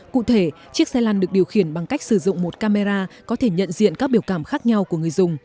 cụ thể chiếc xe lăn được điều khiển bằng cách sử dụng một camera có thể nhận diện các biểu cảm khác nhau của người dùng